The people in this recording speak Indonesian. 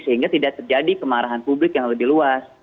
sehingga tidak terjadi kemarahan publik yang lebih luas